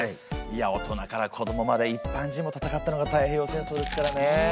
いや大人から子どもまで一般人も戦ったのが太平洋戦争ですからね。